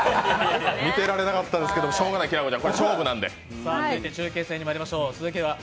見てられなかったですけどしょうがない、きらこちゃん、勝負なので。